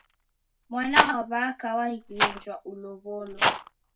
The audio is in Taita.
Mwana wa w'aka waghenjwa ulow'olo!